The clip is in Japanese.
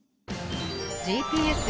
ＧＰＳ